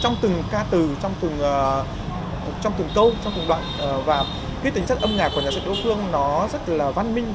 trong từng ca từ trong từng câu trong từng đoạn và cái tính chất âm nhạc của nhạc sĩ đỗ phương nó rất là văn minh